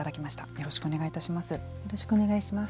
よろしくお願いします。